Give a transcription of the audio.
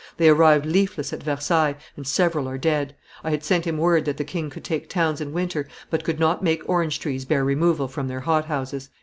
They arrived leafless at Versailles, and several are dead. I had sent him word that the king could take towns in winter, but could not make orange trees bear removal from their hothouses."